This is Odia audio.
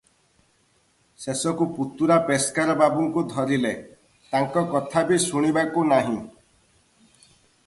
ଶେଷକୁ ପୁତୁରା ପେସ୍କାର ବାବୁଙ୍କୁ ଧରିଲେ, ତାଙ୍କ କଥା ବି ଶୁଣିବାକୁ ନାହିଁ ।